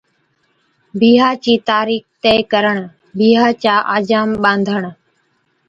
بِيھا چِي تارِيخ طئي ڪرڻ (بِيھا چا آجام ٻانڌڻ)